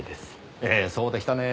ええそうでしたねぇ。